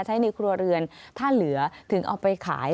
ในครัวเรือนถ้าเหลือถึงเอาไปขาย